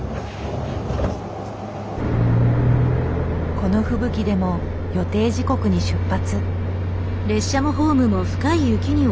この吹雪でも予定時刻に出発。